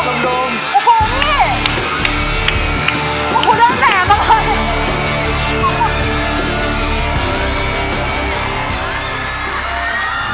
โอ้โหเริ่มแหลมมาเลย